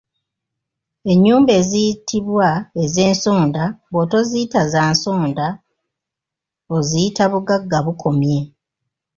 Ennyumba eziyitibwa ez’Ensonda, bw’otoziyita za nsonda oziyita Bugagga bukomye.